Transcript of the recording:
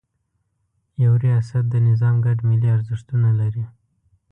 یو ریاست د نظام ګډ ملي ارزښتونه لري.